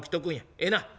ええな？